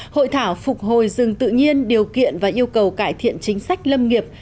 hội thảo phục hồi rừng tự nhiên điều kiện và yêu cầu cải thiện chính sách lâm nghiệp